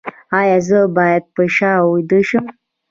ایا زه باید په شا ویده شم؟